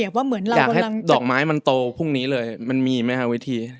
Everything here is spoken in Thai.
อยากให้ดอกไม้มันโตพรุ่งนี้เลยมันมีไหมวิธี